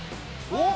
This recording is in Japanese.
おっ？